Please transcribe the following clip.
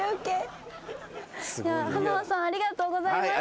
はなわさんありがとうございました。